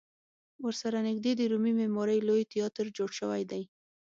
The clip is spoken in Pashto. ورسره نږدې د رومي معمارۍ لوی تیاتر جوړ شوی دی.